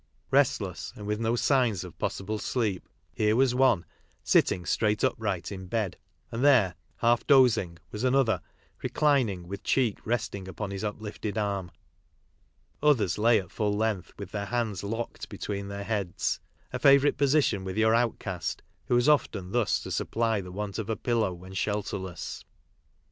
Restless, and with no signs of possible sleep, here was one sitting straight upright in bed ; and there, half dozing, was another reclining with cheek resting upon his uplifted arm ; others lay at full length, with their hands locked beneath their heads— a f a vouri te position with your outcast, who has often thus to supply the want of a pillow when shelterless.